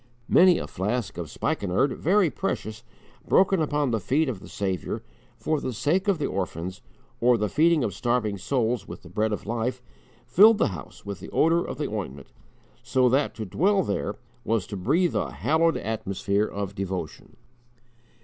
Many a flask of spikenard, very precious, broken upon the feet of the Saviour, for the sake of the orphans, or the feeding of starving souls with the Bread of Life, filled the house with the odour of the ointment, so that to dwell there was to breathe a hallowed atmosphere of devotion.